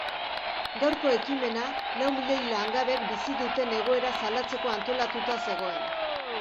Gaurko ekimena lau milioi langabek bizi duten egoera salatzeko antolatuta zegoen.